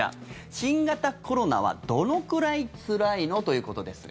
新型コロナはどのくらいつらいの？ということですが。